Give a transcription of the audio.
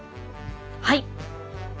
はい！